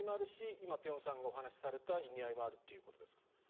今、辺さんがお話された意味合いもあるということですか。